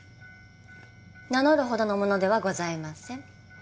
名乗るほどの者ではございません。